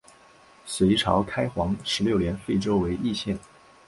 隋朝开皇十六年废州为易县。